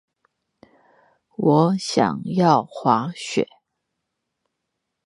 我想要滑雪